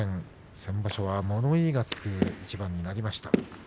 先場所は物言いがつく一番になりました。